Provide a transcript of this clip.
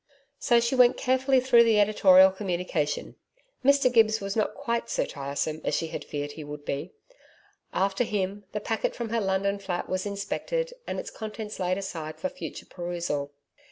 So she went carefully through the editorial communication. Mr Gibbs was not quite so tiresome as she had feared he would be. After him, the packet from her London flat was inspected and its contents laid aside for future perusal.